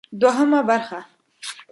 دوهمه برخه: